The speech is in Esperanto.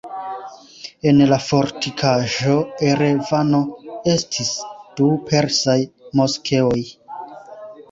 En la fortikaĵo Erevano estis du persaj moskeoj.